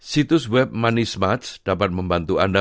situs web moneysmarts dapat membantu anda